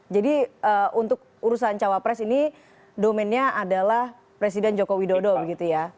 jadi untuk urusan cawapres ini domennya adalah presiden joko widodo gitu ya